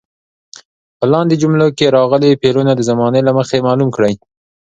په لاندې جملو کې راغلي فعلونه د زمانې له مخې معلوم کړئ.